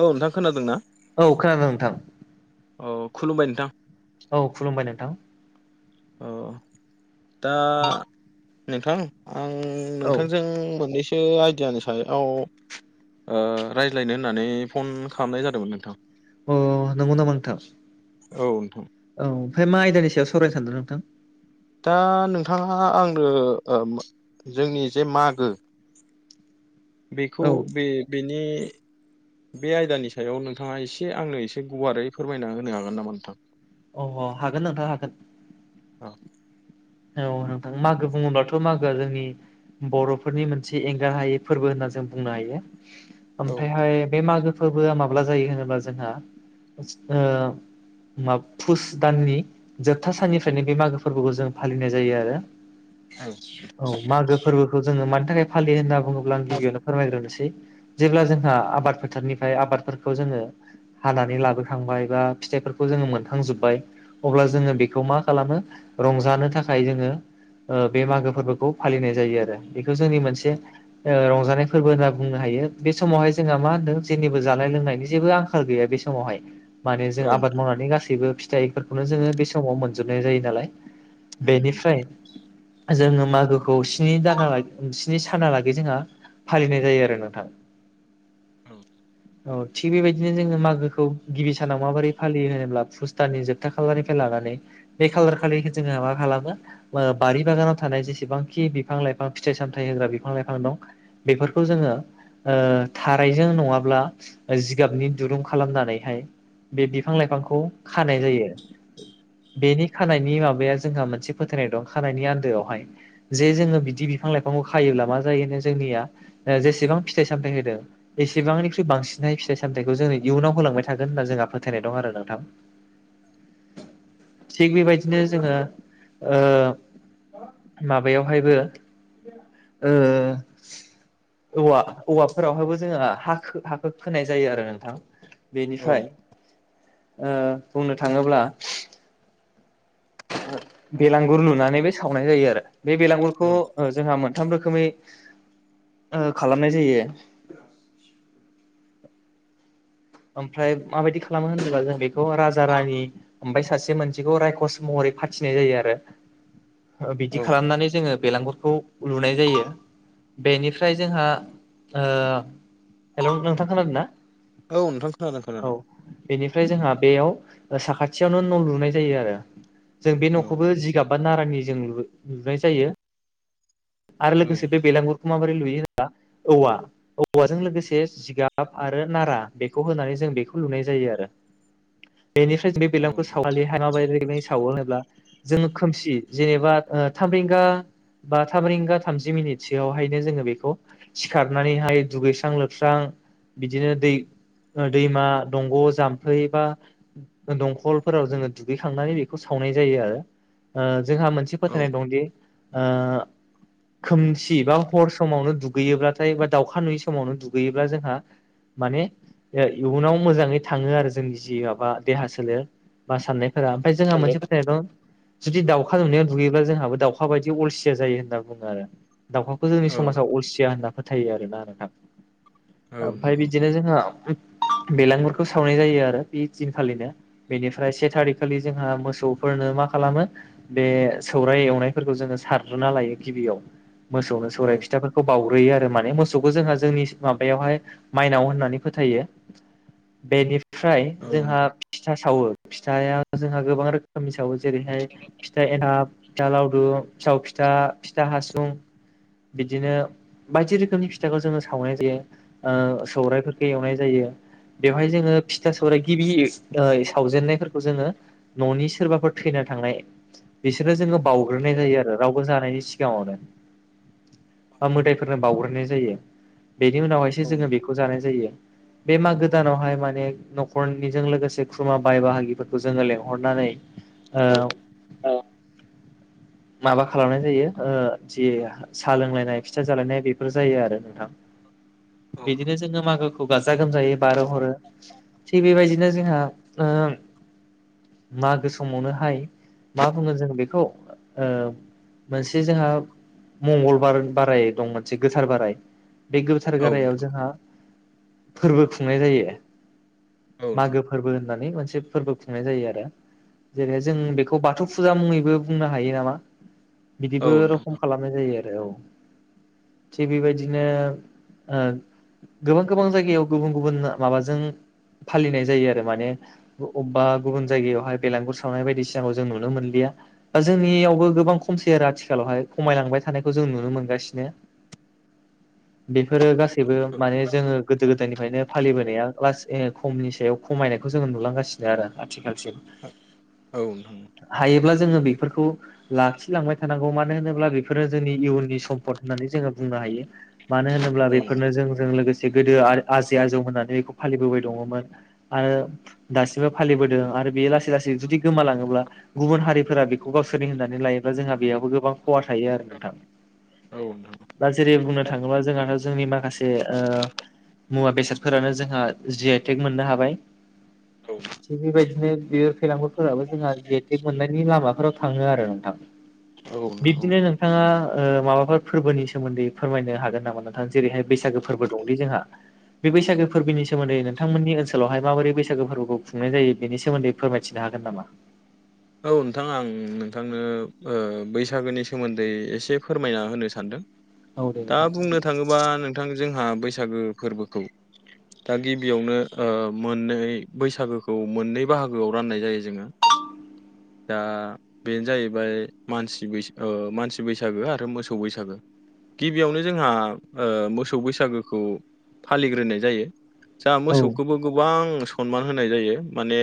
औ नोंथां खोनादोंना? औ खोनादों नोंथां [inaudible] औ खुलुमबाय नोंथां। औ खुलुमबाय नोंथां। अ दा नोंथां आं औ नोंथांजों मोननैसो आइडियानो सायाव ओ रायज्लायनो होननानै फन खालामनाय जादोंमोन नोंथां। अ नंगौ नामा‌ नोंथां। औ नोंथां। औ ओमफ्राय मा आयदानि सायाव सावरायनो सानदों नोंथां? दा नोंथाङा आंनो जोंनि जे मागो बेखौ औ बे बेनि बे आयदानि सायाव नोंथाङा एसे आंनो एसे गुवारै फोरमायना होनो हागोन नामा नोंथां? अ हागोन नोंथां हागोन। औ औ नोंथां मागो बुंङोब्ला थ' मागोआ जोंनि बर'फोरनि मोनसे एंगार हायै फोरबो होनना जों बुंनो हायो। औ ओमफ्रायहाय बे मागो फोरबोआ माब्ला जायो होनोबा जोंहा ओ मा फुस दाननि जोबथा साननिफ्रायनो बे मागो फोरबोखौ जों फालिनाय जायो आरो। औ मागो फोरबोखौ जोङो मान थाखाय फालि होनना बुङोब्ला आं गिबियावनो फोरमायग्रोनोसै जेब्ला जोंहा आबाद फोथारनिफ्राय आबादफोरखौ जों ङो हानानै लाबोखांबाय बा फिथाइफोरखौ जोङो मोनखांजोब्बाय अब्ला जोङो बेखौ मा खालामो रंजानो थाखाय जोङो ओ बे मागो फोरबोखौ फालिनाय जायो आरो बेखौ जोंनि मोनसे ओ रंजा जानाय फोरबो होनना बुंनो हायो बे समावहाय जोंहा मा होनदों जेनिबो जानाय लोंनायनि जेबो आंखाल गैया बे समावहाय। माने जों औ आबाद मावनानै गासैबो फिथाइफोरखौनो जोङो बे समाव मोनजोबनाय जायो नालाय। बेनिफ्राय जोङो मागोखौ स्नि दाना लागि स्नि सानालागै जोंहा फालिनाय जायो आरो नोंथां। औ औ थिग बेबायदिनो जोङो मागोखौ गिबि सानाव माबोरै फालियो होनोब्ला फु दाननि जोबथा खालारनिफ्राय लानानै बे खालार खालि जोंहा मा खालामो बारि बागानाव थानाय जि सेबांखि बिफां लाइफां फिथाइ सामथाइ होग्रा बिफां लाइफां दं बेफोरखौ जोङो ओ थाराइजों नङाब्ला जिगाबनि दुरुं खालामनानैहाय बे बिफां लाइफांखौ माबाया जोंहा मोनसे फोथायनाय दं खानायनि आन्दोआवहाय जे जोङो बिदि बिफां लाइफांखौ खायोब्ला मा जायोनो जोंनिआ जेसेबां फिथाइ सामथाइ होदों एसेबांनिख्रुइ बांसिनहाय फिथाइ सामथाइखौ जोंनि इयुनाव होलांबाय थागोन होनना जोंहा फोथायनाय दं आरो नोंथां। [inaudible] थिग बेबायदिनो जोङो ओ माबायावहायबो ओ औवा औवाफोरावहायबो जोङो हा हाखो खोनाय जायो आरो नोंथां। औ बेनिफाय ओ बुंनो थाङोब्ला बेलांगुर लुनानै बे सावनाय जायो आरो बे बेलांगुरखौ औ जोंहा मोनथाम रोखोम खोमै खालामनाय जायो। ओमफ्राय माबायदि खालामो होनोबा जों बेखौ राजा रानि ओमफ्राय सासे मोनसेखौ रायकस महरै फाथिनाय जायो आरो [unintelligible] ओ बिदि औ खालामनानै जोङो बेलांगुर खौ लुनाय जायो बेनिफ्राय जोंहा ओ हेलौ नोंथां खोनादोंना औ नोंथां खोनादों औ खोनादों बेनिफ्राय जोंहा बेयाव साखाथियावनो न' लुनाय जायो आरो जों बे औ न'खौबो जिगाब बा नारानि जों लु लुनाय जायो आरो औ लोगोसे बे नोंथां बेलागुरखौ माबोरै लुयो औवा औवाजों लोगोसे जिगाब आरो नारा बेखौ होनानै जों बेखौ लुनाय जायो आरो । बेनिफ्राय जों बे औ बेलागुरखौ सावखालिहाय माबोरै सावो होन ब्ला जोङो खोमसि जेनेबा ओ थाम रिंगा बा थाम रिंगा थामजि मिनिटसोआवहायनो जोङो बेखौ सिखारनानैहाय दुगैस्रां-लोबस्रां बिदिनो दै दैमा दंग' जाम्फै बा दंखलफोराव जोङो दुगैखांनानै बेखौ सा वनाय जायो आरो ओ जोंहा मोनसे औ फोथायनाय दंदि ओ खोमसि बा हर समावनो दुगैयोब्लाथाय बा दाउखा नुयि समावनो दुगैयोब्ला जोंहा माने ओ इयुनाव मोजाङै थाङो आरो जोंनि जि माबा देहा सोलेर बा साननाय फोरा ओमफाय जोंहा मोनसे फोथायनाय दं जुदि दाव खा नुनायाव दुगैब्ला जोंहाबो दाउखा बायदि अलसिया जायो होनना बुङो आरो । दाउखाखौ जोंनि औ समाजाव अलसिया होनना फोथायो आरोना नोंथां । ओमफाय नोंथां बिदिनो जोंहा उम बेलांगुरफोरखौ सावनाय जायो आरो बि दिनखालिनो बेनिफ्राय से थारिकखालि जोंहा मोसौ फोरनो मा खालामो बे सौराय एवनायफोरखौ जोङो सारग्रोना लायो गिबियाव मोसौनो औ सौराय फिथाफोरखौ बाव ग्रोयो आरो माने मोसौखौ जोंहा जोंनि माबायावहाय माइनाव होननानै फोथायो । बेनिफ्राय औ जोंहा नोंथां फिथा सावो । फिथाया जोंहा गोबां रोखोमनि सावो जेरैहाय फिथा एनथाब, फिथा लावदुम, फिथाव फिथा, फिथा हासुं बिदिनो बायदि रोखोमनि फिथाखौ जोङो सावनाय जायो ओ सौरायफोरखौ एवनाय जायो । बेवहाय जोङो फिथा सौराइ गिबियै सावजेननायफोरखौ जोङो न'नि सोरबाफोर थैना थांनाय बिसोरनो जोङो बावउग्रोनाय जायो आरो रावबो जानायनि सिगाङावनो । ओ मोदायफोरनो बावग्रोनाय जायो । बेनि उनावहायसो औ जोङो नोंथां बेखौ जानाय जायो । बे मागो दानावहाय माने न'खरनिजों लोगोसे खुरमा बाय बाहागिफोरखौ जोङो लेंहरनानै ओ औ माबा खालामनाय जायो ओ जे साहा लोंलायनाय फिथा जालायनाय बेफोर जायो आरो नोंथां । बिदिनो जोङो मागोखौ गाजा गोमजायै बारहोह'रो थिग बेबायदिनो जोंहा ओ मागो समावनोहाय मा बुंगोन जों बेखौ ओ मोनसे जोंहा मंगलबार बाराय दं मोनसे गोथार बाराय बे गोथार औ नोंथां गारायाव जोंहा फोरबो खुंनाय जायो । औ नोंथां मागो फोरबो होननानै मोनसे फोरबो खुंनाय जायो आरो । जेरैहाय जों बेखौ बाथौ फुजा मुङैबो बुंनो हायो नामा । औ बिदिबो नोंथां रखम खालामनाय जायो आरो । औ थिग बेबायदिनो ओ गोबां गोबां जाय गायाव गुबुन गुबुन माबाजों फालिनाय जायो आरो माने अबबा गुबुन जायगायावहाय बेलागुर सावनाय बायदिसिनाखौ जों नुनो मोनलिया । जोंनियावबो गोबां खमसै आरो आथिखालावहाय खमायलांबाय थानायखौ जों नुनो मोनगासिनो । [inaudible] बेफोरो गासैबो माने जोङो गोदोनिफायनो फालिबोनाया लासै खमनि सायाव खमायनायखौ जोङो नुलांगासिनो आरो आथिखालाव औ नोंथां औ नोंथां औ नोंथां हायोब्ला जोङो बिफोरखौ लाखि लांबाय थानांगौ मानो होनोब्ला बिफोरो जोंनि इयुननि सम्पद होननानै जोङो बुंनो हायो मानो होनोब्ला बेफोरनो जोंजों लोगोसे गोदो आजै आजौ मोनानो बैखौ फालि बोबाय दंमोन आंओ दासिमबो फालिबोदों आरो बे लासै लासै जुदि गोमालाङोब्ला गु बुन हारिफोरा बिखौ गावसोरनि होननानै लायोबा जोंहा बेयावाबबो गोबां खहा थायो आरो नोंथां । दा जेरै बुंनो थाङोब्ला जोंहाथ' जोंनि माखासे ओ मुवा बेसादफोरानो जोंहा जि आइटेक मोननो हाबाय थिग बेबायदिनो बे फेलांगुरफोराबो जोंहा जे आइटेक मोननायनि लामाफोराव थाङो आरो नोंथां औ औ बिब्दिनो नोंथाङा ओ माबाफोर फोरबोनि सोमोन्दै फोरमायनो हागोन नामा नोंथां जेरैहाय बैसागो फोरबो दंदै जोंहा [inaudible] बे बैसागो फोरबोनि सोमोन्दै नोंथांमोननि ओनसोलावहाय माबोरै बैसागो फोरबोखौ खुंनाय जायो बेनि सोमोन्दै फोरमायथिनो हागोन। नामा औ नोंथां‌ आं नोंथांनो ओ बैसागोनि सोमोन्दै एसे फोरमायना होनो सानदों औ दे दा नोंथां बुंनो फोरमायलाय थाङोबा नोंथां जोंहा बैसागो फोरबोखौ दा गिबियावनो ओ मोननै बैसागोखौ मोननै बाहागोआव राननाय जायो जोङो। दा बेनो जाहैबाय मानसि बैस ओ मानसि बैसागो आरो मोसौ बैसागो गिबियावनो जोंहा ओ मोसौ बैसागोखौ फालिग्रोनाय जायो। जा औ मोसौखौबो गोबां सनमान होनाय जायो माने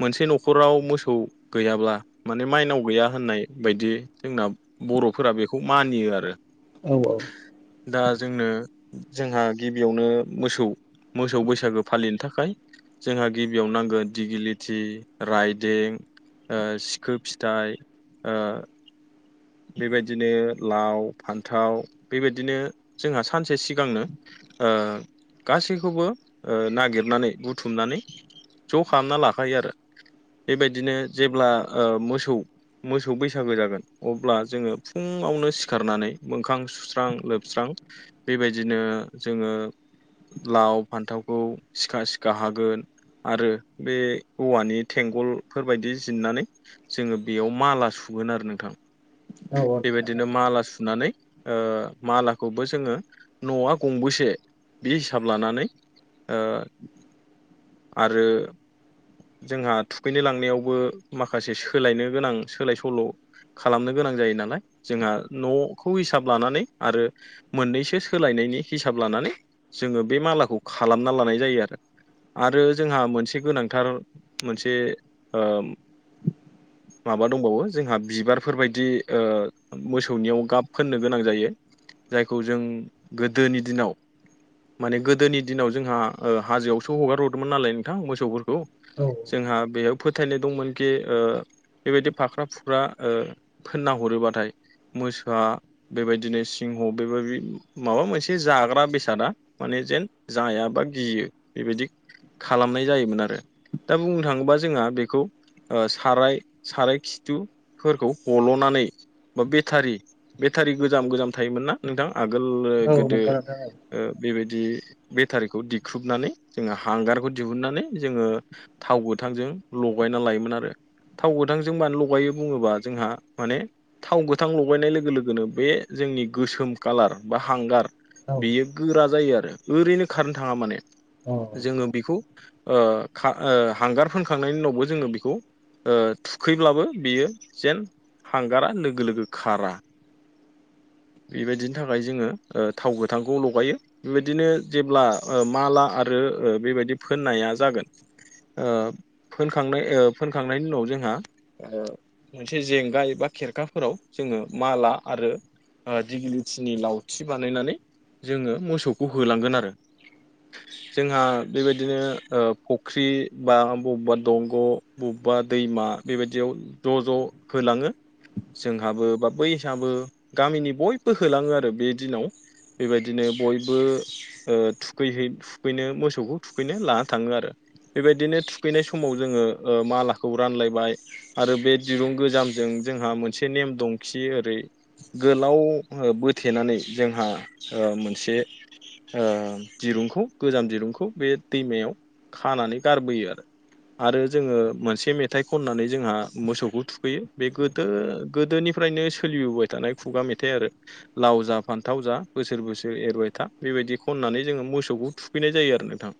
मोनसे न'खराव मोसौ गैयाब्ला माने माइनाव गैया होननाय बायदि जोंना बर'फोरा बेखौ मानियो आरो औ दा जोंनो जोंहा गिबियावनो मोसौ मोसौ बैसागो फालिनो थाखाय जोंहा गिबियाव नांगोन दिगिलिटि राइदें ओ सिखो फिथाइ ओ बेबायदिनो लाव, फान्थाव बेबायदिनो जोंहा सानसे सिगांनो ओ गासैखौबो ओ नागिरनानै बुथुमनानै ज' खामना लाखायो आरो बेबायदिनो जेब्ला ओ मोसौ मोसौ बैसागो जागोन अब्ला जोङो फुङावनो सिखारनानै मोखां सुस्रां लोबस्रां बेबायदिनो जोङो लाव, फान्थावखौ सिखा सिखा हागोन आरो बे औवानि थेंगलफोरबायदि जिनानै जोङो बेयाव माला सुगोन आरो नोंथां। औ बेबायदिनो माला सुनानै ओ मालाखौबो जोङो न'आ गंबेसे बे हिसाब लानानै ओ आरो जोंहा थुखैनो लांनायावबो माखासे सोलायनो गोनां सोलाय सोल' खालामनो गोनां जायो नालाय जोंहा न'खौ हिसाब लानानै आरो मोननैसो सोलायनो हिसाब लानानै जोङो बे मालाखौ खालामना लानाय जायो आरो आरो जोंहा मोनसे गोनांथार मोनसे ओम माबा दंबावो जोंहा बिबारफोरबायायदि ओ मोसौनियाव गाब फोननो गोनां जायो। जायखौ जों गोदोनि दिनाव माने गोदोनि दिनाव जोंहा ओ हाजोआवसो हगारहरदोंमोन नालाय नोंथां मोसौफोरखौ जोंहा बेयाव फोथायनाय दंमोनखि ओ बेबायदि फाख्रा फुख्रा ओ फोनना हरोबाथाय मोसा बेबायदिनो सिंह बेबायदि माबा मोनसे जाग्रा बेसादा माने जेन जाया बा गियो बेबायदि खालामनाय जायोमोन आरो दा बुंनो थाङोबा जोंहा बेखौ साराय साराय खिथुफोरखौ हल'नानै बा बेटारि बेटारि गोजाम गोजाम थायोमोन ना नोंथां। आगोलो औ नोंथां औ गोदो नंगौ नोंथां बेबाय दि बेटारिखौ दिख्रुबनानै जोङो हांगारखौ दिहुननानै जोङो थाव गोथांजों ल गायना लायोमोन आरो थाव गोथांजों मानो लगायो बुङोबा जोंहा माने थाव गोथां लगायनाय लोगो लोगोनो बे जों जोंनि गोसोम कालार बा औ औ बेयो गोरा जायो आरो ओरैनो खारनो थाङा माने औ जोङो बेखौ ओ खा हांगार फोनखांनायनि उनावबो जोङो बेखौ ओ थुखैब्लाबो बियो जेन हांगारा लोगो लोगो खारा। बेबायदिनि थाखाय जोङो ओ थाव गोथांखौ लगायो बेबायदिनो जेब्ला माला आरो ओ बेबायदि फोननाया ओ फोन खांनाय ओ फोनखांनायनि उनाव जोंहा ओ मोनसे जेंगा एबा खेरखाफोराव जोङो माला आरो ओ दिगिलिथिनि लावथि बानायनानै जोङो मोसौखौ होलांगोन आरो जोंहा बेबायदिनो ओ फख्रि बा बबेबा दंग' बबेबा दैमा बेबायदियाव ज' ज' होलाङो जोंहाबो बा बैहाबो गामिनि बयबो होलाङो आरो बे दिनाव बेबायदिनो बयबो ओ थुखैहै थुखैनो मोसौखौ थुखैनो लाना थाङो आरो बेबायदिनो थुखैनाय समाव जोङो मालाखौ रानलायबाय आरो बे दिरुं गोजामजों जोंहा मोनसे नेम दं खि ओरै गोलाव ओ बोथेनानै जोंहा ओ मोनसे ओ दिरुंखौ गोजाम दिरुंखौ बे दैमायाव खानानै गारबोयो आरो आरो जोङो मोनसे मेथाइ खननानै जोंहा मोसौखौ थुखैयो बे गोदो गोदोनि निफ्रायनो सोलिबोबाय थानाय खुगा मेथाइ आरो लाव जा फान्थाव जा बोसोर बोसोर एरबाय था बेबायदि खननानै जोङो मोसौखौ थुखैनाय जायो आरो नोंथां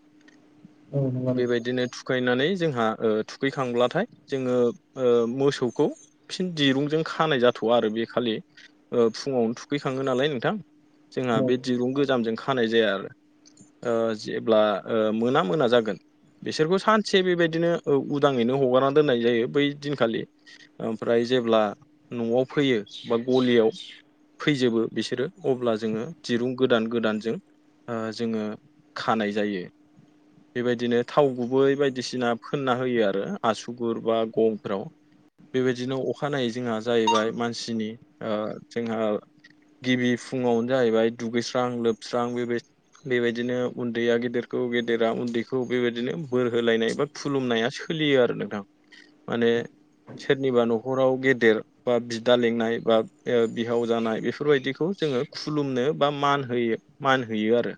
औ नंगौ नोंथां बेबायदिनो थु खैनानै जोंहा थुखैखांब्लाथाय जोङो ओ मोसौखौ फिन दिरुंजों खानाय जाथ'आ आरो बे खालि ओ फुङावनो थुखैखाङो नालाय नोंथां जोंहा औ बे दिरुं गोजामजों खानाय जाया आरो ओ जेब्ला ओ मोना मोना जागोन बिसोरखौ सान से बेबायदिनो उदाङैनो हगारना दोननाय जायो बै दिनखालि ओमफ्राय जेब्ला न'आव फैयो बा गलियाव फैजोबो बिसोरो अब्ला जोङो दिरुं गोदान गोदानजों ओ जोङो खानाय जायो । बेबायदिनो थाव गुबै बाय बायदिसिना फोनना होयो आरो आसुगुर बा गंफ्राव बेबायदिनो अखानायै जोंहा जाहैबाय मानसिनि ओ जोंहा गिबि फुङावनो जाहैबाय दुगैस्रां लोबस्रां बेबाय बेबायदिनो उन्दैया गेदेरखौ गेदेरा उन्दैखौ बेबायदिनो बोर होलायनाय बा खुलुमनाया सोलियो आरो नोंथां। माने सोरनिबा न'खराव गेदेर बा बिदा लिंनाय बा बिहाव जानाय बेफोरबायदिखौ जोङो खुलुमनो बा मान होयो मान होयो आरो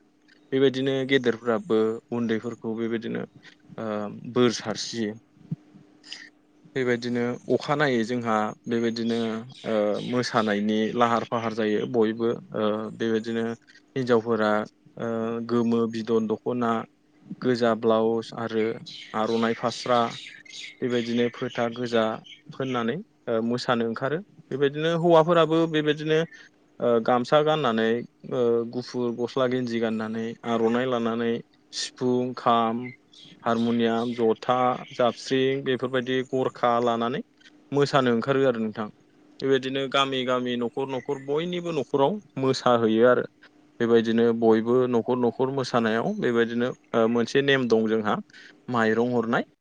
बेबायदिनो गेदेरफ्राबो उन्दैफोरखौ बेबायदिनो ओ बोर सारस्रियो बेबायदिनो अखानायै जोंहा बेबायदिनो ओ मोसानायनि लाहार फाहार जायो बयबो ओ बेबायदिनो हिनजावफोरा गोमो बिदन दख' खना गोजा ब्लाउस आरो आर'नाइ फास्रा बेबायदिनो फोथा गोजा फोननानै मोसानो ओंखारो बेबायदिनो हौवाफोराबो बेबायदिनो ओ गामसा गाननानै ओ गुफुर गस्ला गेन्जि गाननानै आर'नाइ लानानै सिफुं खाम हारमुनियाम जथा जाबस्रिं बेफोरबायदि गरखा लानानै मोसानो ओंखारो आरो नोंथां। बेबायदिनो गामि गामि नखर नखर बयनिबो नखराव मोसाहैयो आरो बेबायदिनो बयबो नखर नखर मोसानायाव बेबायदिनो ओ मोनसे नेम दं जों हा माइरं हरनाय